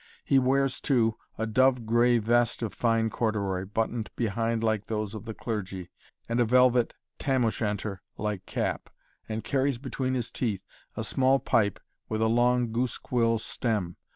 He wears, too, a dove gray vest of fine corduroy, buttoned behind like those of the clergy, and a velvet tam o' shanter like cap, and carries between his teeth a small pipe with a long goose quill stem.